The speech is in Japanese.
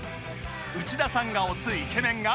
内田さんが推すイケメンが